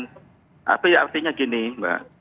tapi artinya gini mbak